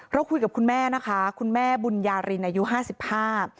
เราคุยกับคุณแม่นะคะคุณแม่บุญญารินอายุห้าสิบห้า